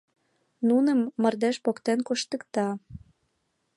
Нуным мардеж поктен коштыкта.